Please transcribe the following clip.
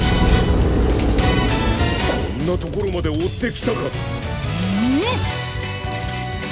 こんなところまでおってきたか！